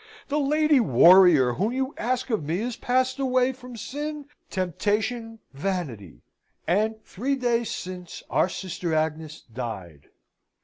The lady, warrior, whom you ask of me is passed away from sin, temptation, vanity, and three days since our Sister Agnes died."